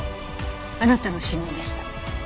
あなたの指紋でした。